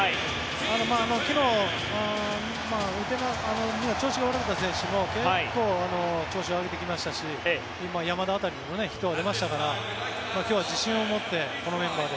昨日調子が悪かった選手も結構、調子を上げてきましたし山田辺りもヒットが出ましたから今日は自信を持ってこのメンバーで。